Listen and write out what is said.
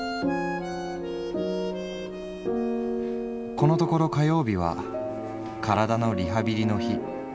「このところ火曜日は体のリハビリの日。